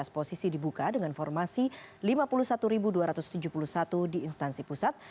dua ratus tiga puluh delapan lima belas posisi dibuka dengan formasi lima puluh satu dua ratus tujuh puluh satu di instansi pusat